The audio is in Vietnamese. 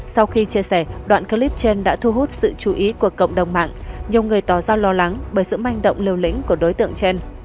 sau khi chia sẻ đoạn clip trên đã thu hút sự chú ý của cộng đồng mạng nhiều người tỏ ra lo lắng bởi sự manh động liều lĩnh của đối tượng trên